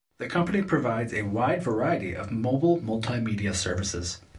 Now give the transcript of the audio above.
The company provides a wide variety of mobile multimedia services.